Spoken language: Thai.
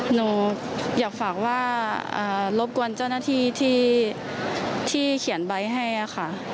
หนูอยากฝากว่ารบกวนเจ้าหน้าที่ที่เขียนใบให้ค่ะ